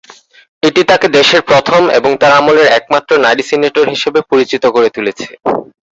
এটি তাকে দেশের প্রথম এবং তার আমলের একমাত্র নারী সিনেটর হিসেবে পরিচিত করে তুলেছে।